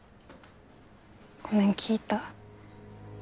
ごめん聞いた。